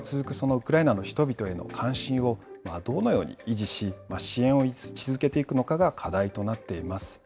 ウクライナの人々への関心をどのように維持し、支援をし続けていくのかが課題となっています。